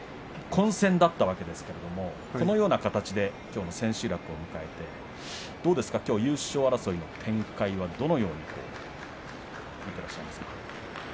混戦だったわけですけれどこのような形できょう千秋楽を迎えてどうですか、きょう優勝争いの展開はどのようになると見てらっしゃいますか。